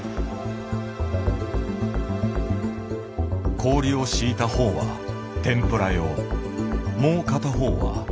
氷を敷いた方は天ぷら用もう片方はすし用。